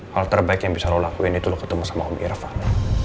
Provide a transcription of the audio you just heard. hal terbaik yang bisa lo lakuin itu lo ketemu sama om iravana